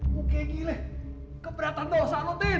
gue kayak gile keberatan dosa lu tim